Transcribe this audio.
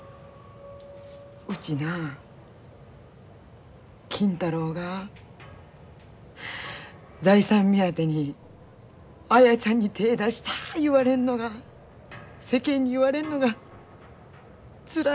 うちな金太郎が財産目当てに綾ちゃんに手ぇ出した言われんのが世間に言われんのがつらいんやらよ。